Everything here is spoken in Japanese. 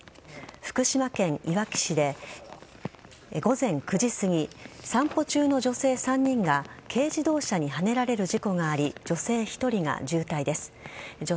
福島県いわき市で午前９時すぎ散歩中の女性３人が軽自動車にはねられる事故があり女性１人が重体です。